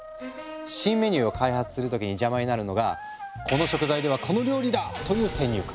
新メニューを開発する時に邪魔になるのが「この食材ではこの料理だ」という先入観。